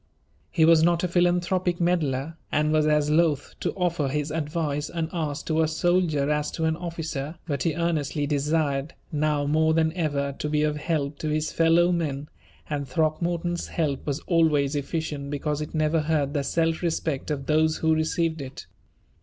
He was not a philanthropic meddler, and was as loath to offer his advice unasked to a soldier as to an officer, but he earnestly desired, now more than ever, to be of help to his fellow men, and Throckmorton's help was always efficient because it never hurt the self respect of those who received it.